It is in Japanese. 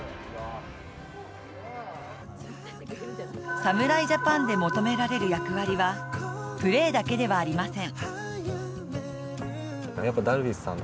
侍ジャパンで求められる役割はプレーだけではありません。